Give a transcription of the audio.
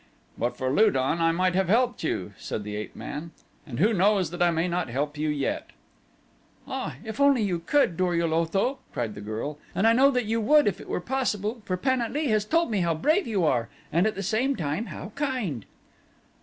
"But for Lu don I might have helped you," said the ape man. "And who knows that I may not help you yet?" "Ah, if you only could, Dor ul Otho," cried the girl, "and I know that you would if it were possible for Pan at lee has told me how brave you are, and at the same time how kind."